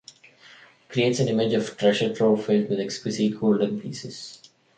It creates an image of a treasure trove filled with exquisite golden pieces.